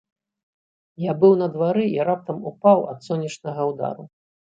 Я быў на двары, і раптам упаў ад сонечнага ўдару.